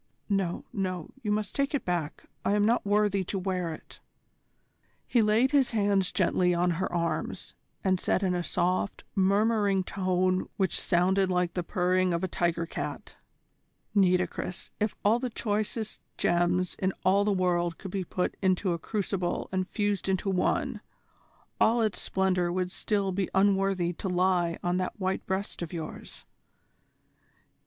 No, no, you must take it back. I am not worthy to wear it." He laid his hands gently on her arms, and said in a soft, murmuring tone which sounded like the purring of a tiger cat: "Nitocris, if all the choicest gems in all the world could be put into a crucible and fused into one, all its splendour would still be unworthy to lie on that white breast of yours.